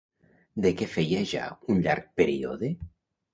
De què feia ja un llarg període?